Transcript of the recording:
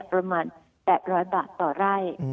ประมาณ๘๐๐บาทต่อไร่